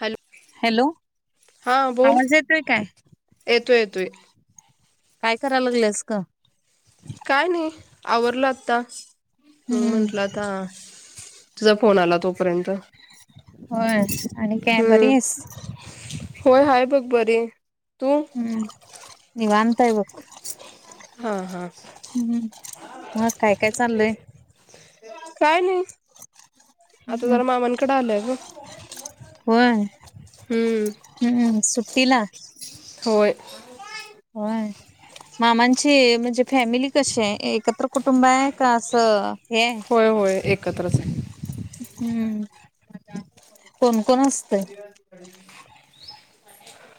Hello hello हा बोल आवाज येतोय काय? येतो येतोय काय कराय लागलंस क काय नाही आवरला आता मग हम्म म्हंटलं आता तुझा फोन आला तोपर्यंत होय आणि काय बरी हम्म आहेस होय हाय बघ बरी तू हम्म निवान्त हाय बग हा हा हम् मग काय काय चाललय काय नाही आता हम्म जरा मामांनकडे आलंय ग होय हम्म हम्म सु्टीला होय वय मामांची म्हणजे फॅमिली कशी आहे एकत्र कुटुंब आहे का असं हे होय होय एकत्रच आहे. [unintelligible] हम्म पण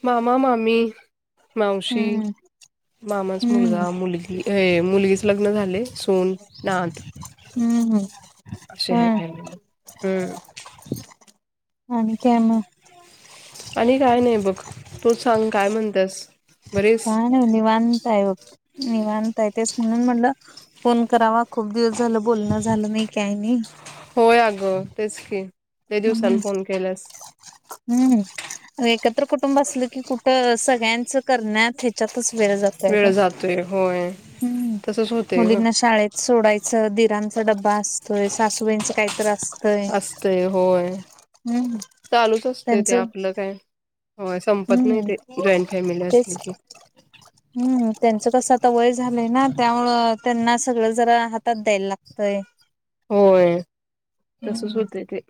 मामा मामी मावशी हम्म मामाच मुलगा हम्म मुलगी अ मुलगीच लग्न झाले सून नाथ हम् हम अशी हाय फॅमिली हम आणि काय मग? आणि काय नाही बघ तू सांग काय म्हणत्यास काय नाय निवांत हाय बग निवांत तेच म्हणून म्हटलं फोन करावा खूप दिवस झालं बोलणं झालं नाही काय नाही होय अगं तेच की ते दिवसान हम्म फोन केल्यास हम्म एकत्र कुटुंब असलं की कुठं सगळ्यांच करण्यात हेच्यातच जातय वेळ का् जातोय होय तसच होतय ग मुलींना शाळेत सोडायच दिरांचा ड्बा असतोय सासूबाईंचं काहीत असतंय असतय होय हम्म चालूच असतय ते त्यांचं आपलं काय होय संपत नाही हम्म ते जॉईंट फॅमिली तेच असली की हम्म त्यांचं कसं आता वय झालंय ना त्यामुळ त्यांना सगळं जरा हातात द्यायला लागतंय होय तसच हम्म होत ते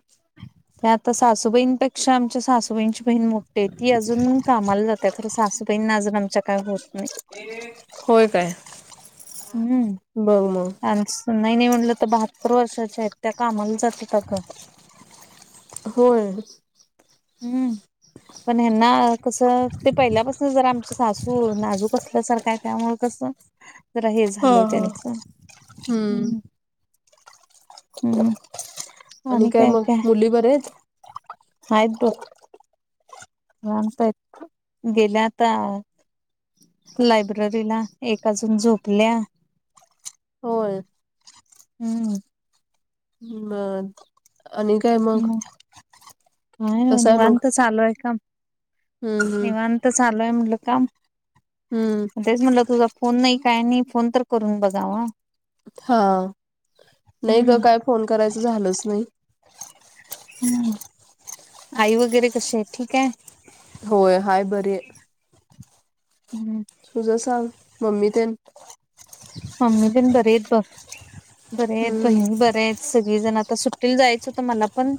ते आता सासूबाईंपेक्षा आमच्या सासूबाईंची बहीण मोठी ती अजून कामाला जात त्या सासूबाईण नाजर आमच्या कात नाही होय काय हम् बघ मग अ नाही नाही म्हटलं तर बहात्तर वर्षाच्या आहेत त्या कामाला जात अ ग होय हम्म पण हना कसं ते पहिल्यापासून जर आमच सासू नाजूक असल्यासारखा त्यामु कस जरा हे हा झालं हा त्यांच हम्म हम् हम् आणि काय मग मुली बरे आहेत हयो रातय गेल्याता लायब्ररी ला एका अजून झोपल्या होय हम्म म आणि काय मग काय नाही कसं नि आहे मग वानत चालू आहे काम हम्म हम्म निवांत चालूय म्हणल काम हम्म तेच म्हटलं तुझा फोन नाही काय नाही फोन तर करून बघावा हा नाही ग हम्म काय फोन करायचं झालंच नाही हम्म आई वगैरे कशी आहे ठीक आहे होय हाय बर हम्म तुझा सांग मम्मी ते ब बरे आहेत हम्म बहीण बरे आहेत सगळीजण आता सुटील जायचं होत मला पण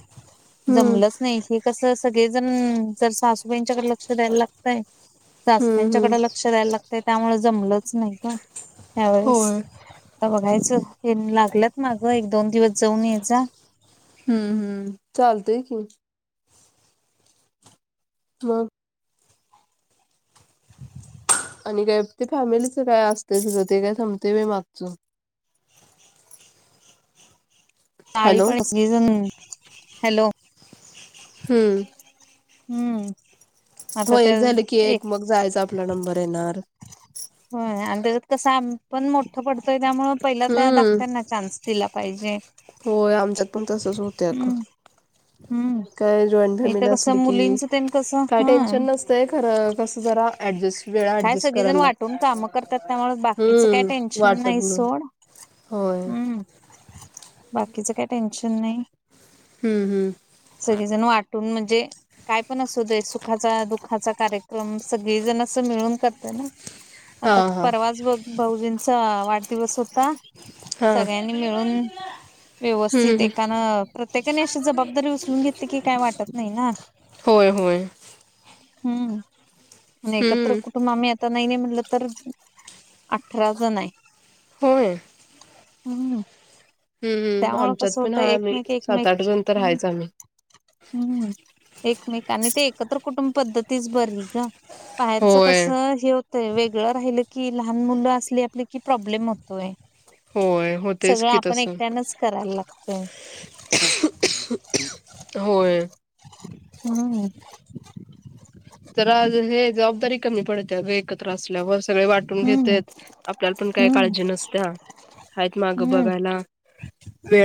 हम्म जमलंच नाही श कस सगळेजण जर सासूबाईंच्याकडे लक्ष द्यायला लागतय हम्म हम्म सासऱ्यांच्याकडे लक्ष द्यायला लागतय त्यामुळे जमलंच नाही का त्यावेळेस होय बघायच लागलंत मागं एक दोन दिवस जाऊन यायचा हम्म हम्म चालतंय की ह आणि काय ते फॅमिलीच काय असत सगळं ते काय थांबते म मागचं ह ळी हॅलो पड हॅलो हम्म हम्म आता हो त्या एक झालं की एक मग जायचा आपला नंबर येणार हो आणिगत कसा पण मोठं पडतोय त्यामु पहिला त्या हम्म दाखत्यांना चान्स दिला पाहिजे होय आमच्यात पण तसच होत अ हम्म हम्म काय जॉईट इथं फॅमिली कसं असली की मुलींच तेन कसं काय हा टेन्शन नसतय खर कस जरा ऍडजस्ट वेळा काय ऍडजस्ट सगळीजण करायला वाटून लागत काम करतात त्यामुळे बाकीचं काय हम्म टेन्शन नाही वाटत ना सोड हम्म बाकीचं काय टेन्शन नाही हम्म हम्म वाटून म्हणजे का पण असा दुखा कार्यक्रम स अस मिळून करतय ना हा, आता हा. परवाच ब भाऊजींचा वाढदिवस होता हा. सगळ्यांनी मिळून हम्म, व्यवस्थित हम्म. एकानं प्रत्येकाने अशी जबाबदारी उचलून घेतली की काही वाटत नाही ना हो हो हम्म आणि एकत्र कुटुंब आम्ही आता नाही नाही म्हण तर अठरा जण आहे हो हं् त्यामु आमच्यात कसं पण होतं हाय आम्ही एकमेक सात, एकमेक आठ जण तर ह हायच आम्ही. हम्म एकमेकांनी ते एकत्र कुटुंब पधती बरी ग बाहेरच कस होय, हे होतय वेगळं राहि कि लहान मुलं असली आपले कि प्रॉब्लेम होतोय होय होतेच की तसं करा ला होय. तर आज हे जबाबदारी कमी पडते एकत्र असल्यावर सगळे वाटून हम्म घेतेत आपल्याला पण काही हम्म काळजी नसत्या आहेत मागं बघायला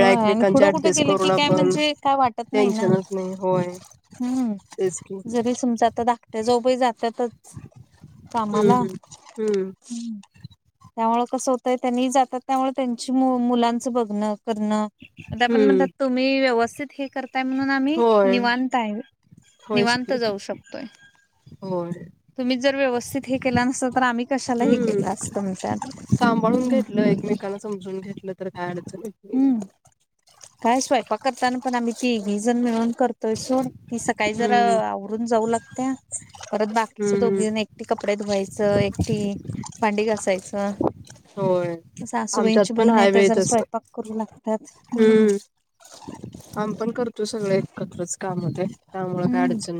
हो आणि एकमेकांच्या पुढं कुठे ऍडजस्ट केलं की करून काय आपण म्हणजे काय वाटत नाही ना टेन्शनच नाही. होय. हम्म तेच की. हम्म, जरी समज आता ाकट्या जो जात कामाला हम्म. हम्म, त्यामु कस होत तर त्यांनी जातात त्यामुळे त्यांची मुलांचं बघणं करण आपण हम्म. म्हणतात तुम्ही व्यवस्थित हे करताय म्हणून आम्ही होय निवडताय निवांत जाऊ शकतोय होर तुम्ही जर व्यवस्थित हे केला नसत तर आम्ही कशाला हे केलं हम्म अस तमच्यात एकाला समजून घेेतलं तर काय अडचं हम्म काय स्वयपाक करताना पण आम्ही ती भीजण मिळून करतोय सोड ती सकाळी जरा हम्म आवरून जाऊ लागते परत बाकीच हम्म दोघीण एकटी क कपडे धुवायचं एकटी भांडी घासायचं होय स आमच्यात आसूबाईंची पण बहीण आहे हाय तर बाई जरा तस स्वयंपाक करू लागतात हम्म काम पण करतो सगळे एकत्रच त्यामुळें का हम्म अडचण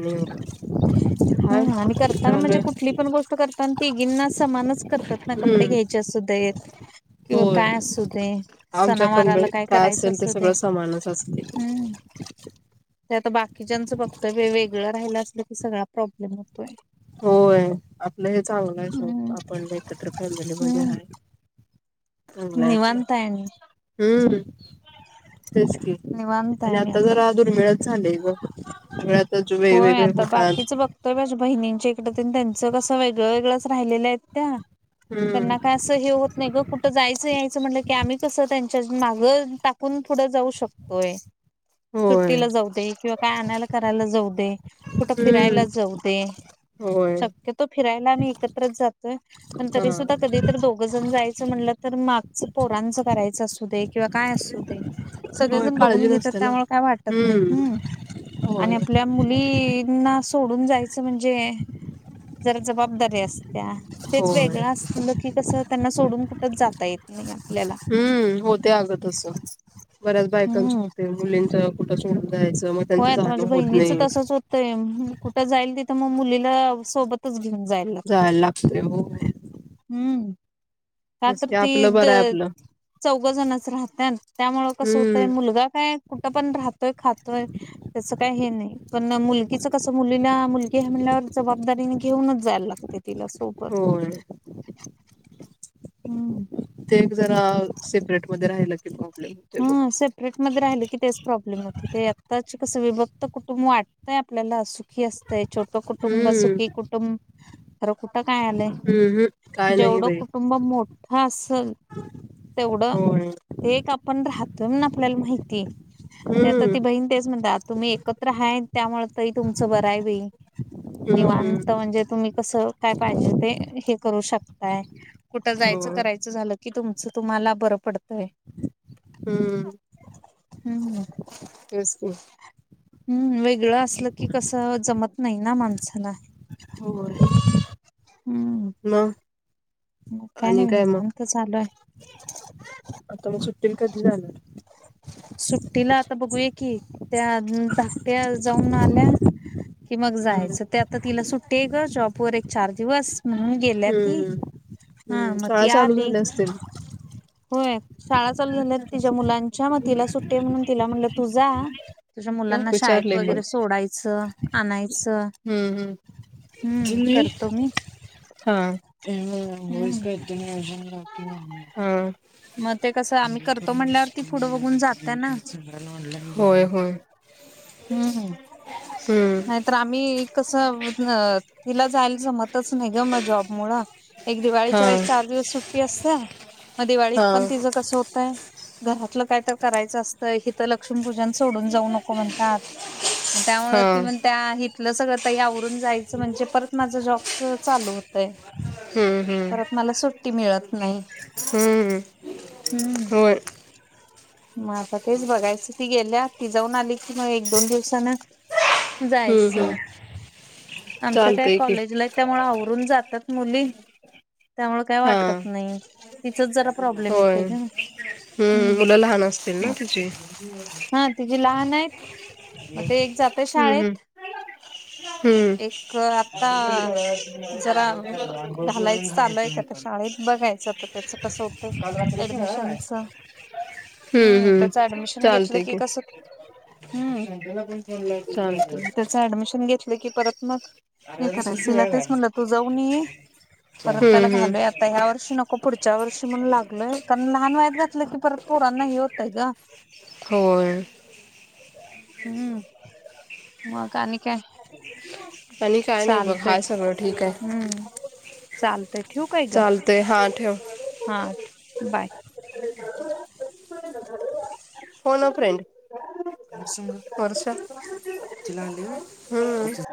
हा हम्म आणि करताना चालू म्हणजे कुठली आहे पण तिगींना समानच करतात ना कपडे हम्म घ्यायच्या सुद्धा येत किंवा होय काय असू दे आमच्या पण बाई सनावारला काय करायच असेल ते असू दे सगळं समानच असते हम् ते आता बाकीच्या्यांचं फक्त वेगळं राहिला असलं की सगळा प्रॉब्लेम होतोय होय आपलं हे चांगलं आहेो हम्म आपण एकत्र फॅमिलीमध्येध्ये हम्म आहे चांगला निवांत आहे आणि हम्म तेच की निवांत आहे आणि आता जर आपण. दुर्मिळच झालेय ग सगळ्यात होय वेगवेगळे आता होतात बाकीच बघतोय माझ्या बहिणींच्या इकडं त्यांचं कसं वेगळं वेगळंच राहिलेलं आहेत त्या हम्म त्यांना काय असं हे होत नाही ग कुठं जायचं यायचं म्हणलं की आम्ही कसं त्यां त्या माग टाकून थडं जाऊ शकतोय होय सुट्टीला जाऊ दे किंवा काय आणायला करायला जाऊ दे कुठं फिरायला हम्म जाऊ दे होय शक्यतो फिरायला आम्ही एकत्रच जातोय पण तरी हा सुद्धा कधीतरी दोघ जण जायच म्हटलं तर मागचं पोरांच करायचं असू दे किंवा काय असू दे होय सगळेजण बघून काळजी घेतात नसते ना त्यामुळे काय वाटत नाही हम्म आणि होय आपल्या मुलीना सोडून जायच म्हणजे जर जबाबदारी अस त्या तेच होय वेगळं असलं की कसं त्यांना सोडून कुठच जाता येत नाही आपल्याला हम्म होते आगतच बऱ्याच बायकांच हम्म. होते मुलींच कुठच होय आता माझ्या बहिणीच तसच होतं कुठं जाईल तिथं मग मुलीला सोबतच घेऊन जायला लागते लागतंय होय हम्म त्यात तेच की त आपलं इथ बरं आहे आपलं चौघ जणच राहत त्यामु कसं होतंय हम्म मुलगा काय कुठं पण राहतोय खातोय त्यासं काही हे नाही पण मुलगीचं कसं मुलीला मुलगी ह म्हणल्यावर जबाबदारी घेऊनच जायला लागते तिला सोबत होय हम्म ते एक जरा सेपरेट मध्ये राहिल कि ह सेपरेटमध्ये राहिले की तेच प्रॉब्लेम होते ते आत्ताचे कस विभक् त कुटुंब वाटतंय आपल्याला सुखी असतंय छोटं कुटुंब सुखी हम्म कुटुंब खरं कुठं काय आलंय हम्म काय नाही जेवढं बाई कुटुंब मोठं असल तेवढं होय एक आप आपण राहतो म्हणून आपल्याला माहिती आहे ते आता हम्म ती बहीण तेच म्हणते आतून ते एकत्र आहे त्यामुळ ताई तुमचं बर आहे बई हम्म निवांत हम्म. म्हणजे तुम्ही कसं काय पाहिजे ते हे करू शकताय कुठं जायचं होय करायचं झालं की तुमच तुम्हाला बरं पडतय. हम्म हम्म हम् [unintelligible] हम्म वेगळं असल की कसं जमत नाही ना माणसाना. होय हम्म मग काय आणि नाही मग निवांत चालू आहे. आता मग सुट्टीला कधी जाणार. सुट्टीला आता बघूया की त्या धाकट्या ऊ जाऊन आल्या कि मग हम्म जायचं ते आता तिला सुट्टी आहे जॉबवर एक चार दिवस म्हणून गेल्या ती हम्म ह हम्म मग शाळा ती चालू आली झाल्या असतील होय शाळा चालू झाल्यात तिच्या मुलांच्या मग तिला सुट्टी आहे म्हणून तिला म्हटलं तु जा तुझ्या का मुलांना शाळेत विचारले पण वगैरे सोडायचं आणायचं. हम्म हम्म हम्म तुम्ही करतो मी. हा हम्म [unintelligible] ह मग ते कसं आम्ही करतो म्हटल्यावर ती पुढं बघून जा होय होय हुं हुं हम्म नाहीतर आम्ही कसं अ तिला जायला जमतच नाही ग म जॉब मुळ एक दिवाळीच्या हा वेळेस चार दिवस सुट्टी असते मग दिवाळीत हा पण तिचं कसं होतय घरातलं काय तर करायचं असतं हीत लक्ष्मीपूजन सोडून जाऊ नको म्हणतात. मग त्यामुळे ती हा म्हणत्या इथलं सगळं ताई आवरून जायचं म्हणजे परत माझं जॉबच चालू होत तय हम्म परत हम्म मला सुट्टी मिळत नाही. हम्म होय. म आता तेच बघायच ती गेल्या ती जाऊन आली की म एक दोन दिवसान हम्म जायच, हम्म आमच्या काय चालतंय की कॉलेजलाये, त्यामुळ आवरून जातात मुली. त्यामुळे काय हा वाटत नाही, तिचच जरा प्रॉब्लेम होय येतय ग, हम्म. मुलं लहान असतील ना तुझी हा तिची लहाने. म ते एक जातं हम्म शाळेत. हम्म एक आता जरा घालायचं चालू आहे का कशा हम्म शाळेत बघायचं आता त्याच कसं होतंय काल रात्री खेळालाय ऍडमिशनच. हम्म हम्म त्याचं हम्म ऍडमिशन घेतलं चालतंय की कसं हम् शांतला पण फोन लाव त्याच ऍडमिशन घेतलं की परत मग हे कराय तिला खेळालाय तेच म्हणलं तू जाऊन ये. परत हम्म त्याला हम्म घालूया आता ह्या वर्षी नको पुढच्या वर्षी म्हणून लागलोय, कारण लहान वायात घातलं की परत पोरांना हे होतंय ग. होय. हम्म मग आणि काय? आणि काय नाही बघ चालतय हाय सगळं ठीके. हम्म चालतय ठेऊ काय ग, हा ठेव हा बाय. [unintelligible] [unintelligible] फोनो फ्रेंड. रसंग वर्ष तला ह [unintelligible]